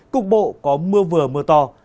cục bộ có mưa vừa mưa to